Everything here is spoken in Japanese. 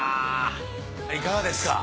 いかがですか？